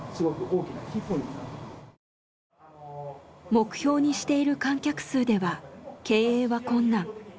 目標にしている観客数では経営は困難。